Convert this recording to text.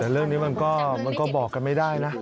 แต่เรื่องนี้มันก็บอกกันไม่ได้นะ